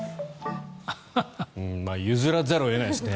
譲らざるを得ないですね